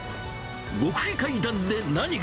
極秘会談で何が。